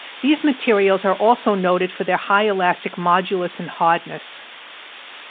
These materials are also noted for their high elastic modulus and hardness.